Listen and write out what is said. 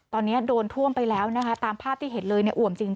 ตอนนี้โดนท่วมไปแล้วนะคะตามภาพที่เห็นเลยเนี่ยอ่วมจริง